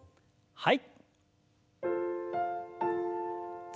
はい。